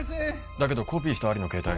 だけどコピーしたアリの携帯